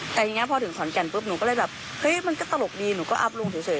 แต่ทีนี้พอถึงขอนแก่นปุ๊บหนูก็เลยแบบเฮ้ยมันก็ตลกดีหนูก็อัพลงเฉย